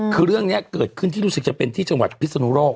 คือเรื่องนี้เกิดขึ้นที่รู้สึกจะเป็นที่จังหวัดพิศนุโลก